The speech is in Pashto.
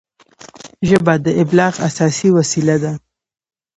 ژبه د ابلاغ اساسي وسیله ده